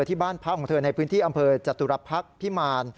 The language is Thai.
ที่บ้านพระของเธอในพื้นที่อำเภอจัตรุรับพรรคพิมาร